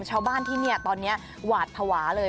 ชาวบ้านที่เนี่ยตอนเนี่ยหวาดฐวาเลย